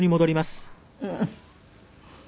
うん。